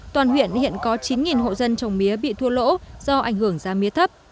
toàn huyện hiện có chín hộ dân trồng mía bị thua lỗ do ảnh hưởng giá mía thấp